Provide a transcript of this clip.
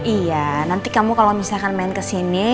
iya nanti kamu kalau misalkan main kesini